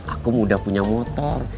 akum udah punya motor